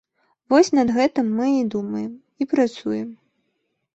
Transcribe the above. Вось над гэтым мы і думаем, і працуем.